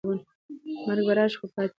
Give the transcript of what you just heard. مرګ به راشي خو پاتې کېږم.